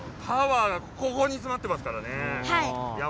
パワーがここにつまってますからね。